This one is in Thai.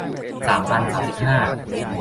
สามพันสามสิบห้า